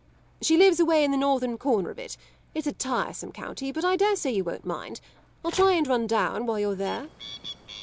"She lives away in the northern corner of it. It's a tiresome country, but I dare say you won't mind it. I'll try and run down while you're there."